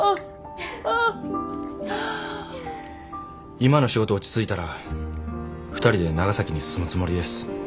今の仕事落ち着いたら２人で長崎に住むつもりです。